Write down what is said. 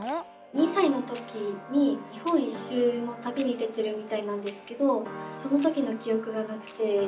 ２さいの時に日本一周のたびに出てるみたいなんですけどその時のきおくがなくて。